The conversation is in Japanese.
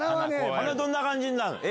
鼻どんな感じになるの？